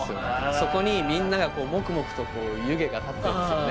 そこにみんながこうもくもくと湯気が立ってるんすよね